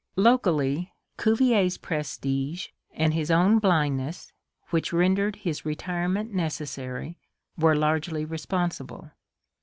Locally, Cuvier's prestige and his own blindness, which rendered his retirement necessary, were largely responsible.